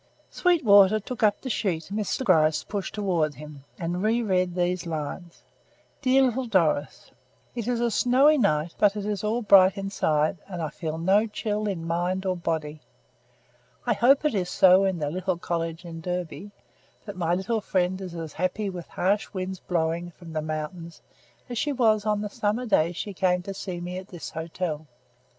Sweetwater took up the sheet Mr. Gryce pushed towards him and re read these lines: "Dear Little Doris: "It is a snowy night, but it is all bright inside and I feel no chill in mind or body. I hope it is so in the little cottage in Derby; that my little friend is as happy with harsh winds blowing from the mountains as she was on the summer day she came to see me at this hotel.